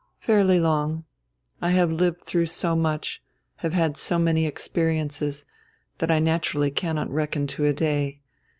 "Fairly long. I have lived through so much, have had so many experiences, that I naturally cannot reckon to a day.